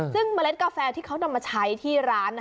ซึ่งเมล็ดกาแฟที่เขานำมาใช้ที่ร้าน